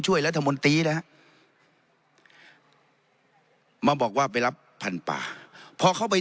ช่วยรัฐมนตรีนะฮะมาบอกว่าไปรับพันธุ์ป่าพอเขาไป